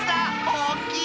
おおきい！